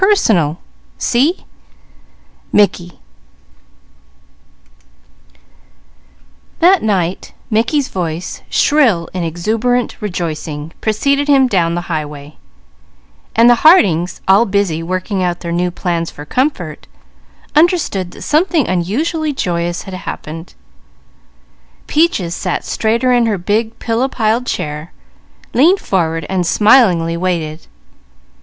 CHAPTER XX Mickey's Miracle That night Mickey's voice, shrill in exuberant rejoicing, preceded him down the highway, so the Hardings, all busy working out their new plans for comfort, understood that something unusually joyous had happened. Peaches sat straighter in her big pillow piled chair, leaned forward, and smilingly waited.